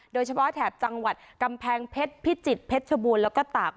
แถบจังหวัดกำแพงเพชรพิจิตรเพชรชบูรณ์แล้วก็ตาก